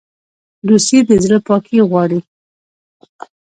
دوستي د زړه پاکي غواړي.